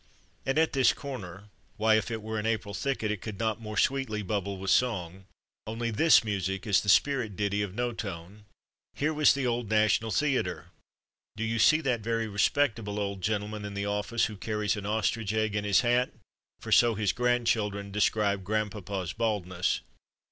And at this corner why, if it were an April thicket it could not more sweetly bubble with song, only this music is the spirit ditty of no tone here was the old National Theatre. Do you see that very respectable old gentleman in the office who carries an ostrich egg in his hat? for so his grandchildren describe grandpapa's baldness.